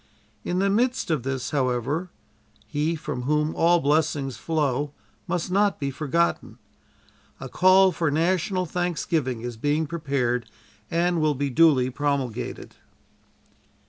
In the midst of this, however, He from whom all blessings flow must not be forgotten. A call for national thanksgiving is being prepared and will be duly promulgated."